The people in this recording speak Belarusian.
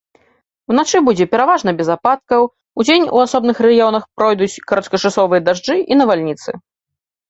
Уначы будзе пераважна без ападкаў, удзень у асобных раёнах пройдуць кароткачасовыя дажджы і навальніцы.